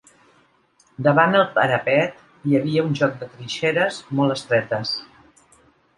Davant el parapet hi havia un joc de trinxeres molt estretes